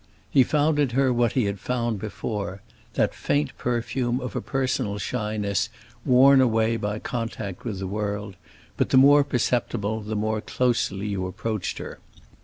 He found in her what he had found before—that faint perfume of a personal shyness worn away by contact with the world, but the more perceptible the more closely you approached her.